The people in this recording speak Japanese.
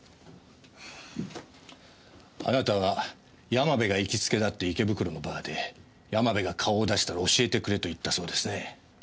あなたは山部が行きつけだった池袋のバーで山部が顔を出したら教えてくれと言ったそうですね。